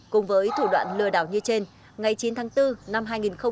cùng với thủ đoạn lừa đảo như trên ngày chín tháng bốn năm hai nghìn hai mươi